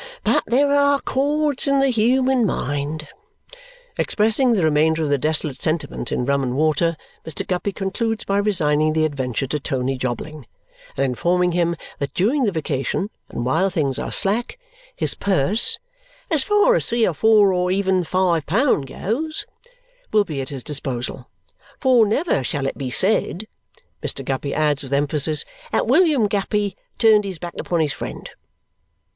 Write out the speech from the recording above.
"But there are chords in the human mind " Expressing the remainder of the desolate sentiment in rum and water, Mr. Guppy concludes by resigning the adventure to Tony Jobling and informing him that during the vacation and while things are slack, his purse, "as far as three or four or even five pound goes," will be at his disposal. "For never shall it be said," Mr. Guppy adds with emphasis, "that William Guppy turned his back upon his friend!"